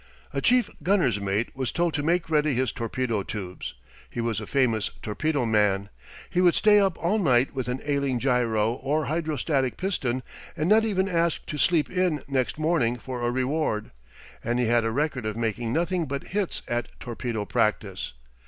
A chief gunner's mate was told to make ready his torpedo tubes. He was a famous torpedo man. He would stay up all night with an ailing gyro or hydrostatic piston and not even ask to sleep in next morning for a reward, and he had a record of making nothing but hits at torpedo practice.